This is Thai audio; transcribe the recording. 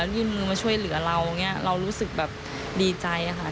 ยื่นมือมาช่วยเหลือเราเรารู้สึกดีใจค่ะ